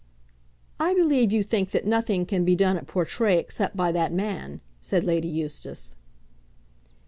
"I believe you think that nothing can be done at Portray except by that man," said Lady Eustace.